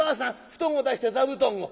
布団を出して座布団を。